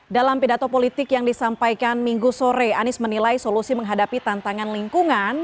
dalam pidato politik yang disampaikan minggu sore anies menilai solusi menghadapi tantangan lingkungan